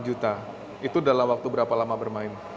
dua juta itu dalam waktu berapa lama bermain